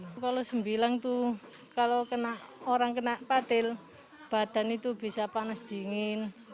kalau sembilan tuh kalau orang kena patil badan itu bisa panas dingin